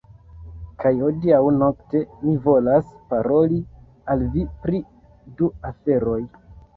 Kaj hodiaŭ nokte, mi volas paroli al vi pri du aferoj.